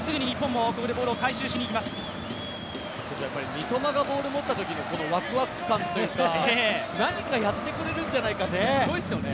三笘がボールを持ったときのワクワク感というか何かやってくれるんじゃないかというのがすごいですよね。